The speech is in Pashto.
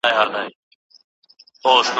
اوس به څوك لېږي ميرا ته غزلونه